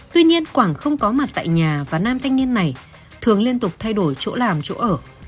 tuy nhiên quảng không có mặt tại nhà và nam thanh niên này thường liên tục thay đổi chỗ làm chỗ ở